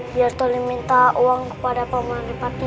biar tuli minta uang kepada pemanipati